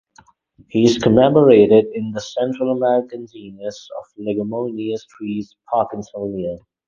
He is commemorated in the Central American genus of leguminous trees "Parkinsonia".